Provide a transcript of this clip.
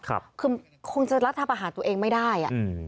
คือคงจะรัฐประหารตัวเองไม่ได้